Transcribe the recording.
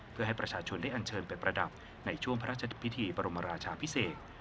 เพื่อให้ประชาชนได้อันเชิญไปประดับในช่วงพระราชพิธีบรมราชาพิเศษ